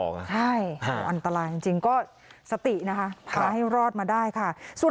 ใช่อันตรายจริงก็สตินะคะพาให้รอดมาได้ค่ะ